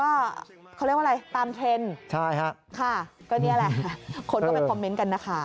ก็เขาเรียกว่าอะไรตามเทรนด์ใช่ค่ะก็นี่แหละคนก็ไปคอมเมนต์กันนะคะ